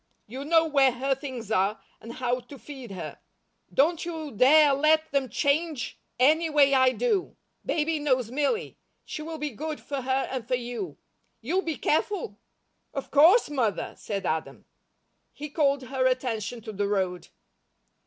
You know where her things are, and how to feed her. Don't you dare let them change any way I do. Baby knows Milly; she will be good for her and for you. You'll be careful?" "Of course, Mother," said Adam. He called her attention to the road.